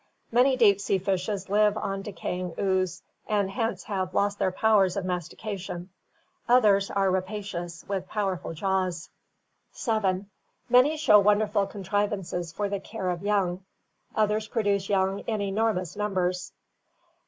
Many deep sea fishes live on decaying ooze, and hence have lost their powers of mastication. Others are rapacious, with powerful jaws. 7. Many show wonderful contrivances for the care of young; others produce young in enormous numbers.